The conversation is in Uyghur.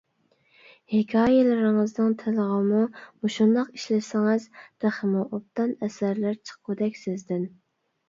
ھېكايىلىرىڭىزنىڭ تىلىغىمۇ مۇشۇنداق ئىشلىسىڭىز تېخىمۇ ئوبدان ئەسەرلەر چىققۇدەك سىزدىن.